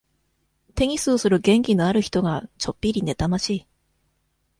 テニスをする元気のある人が、ちょっぴり妬ましい。